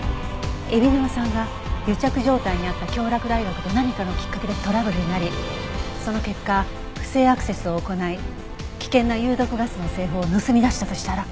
海老沼さんが癒着状態にあった京洛大学と何かのきっかけでトラブルになりその結果不正アクセスを行い危険な有毒ガスの製法を盗み出したとしたら。